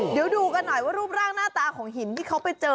เดี๋ยวดูกันหน่อยว่ารูปร่างหน้าตาของหินที่เขาไปเจอ